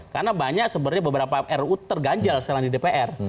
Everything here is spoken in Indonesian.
karena banyak sebenarnya beberapa ru terganjal sekarang di dpr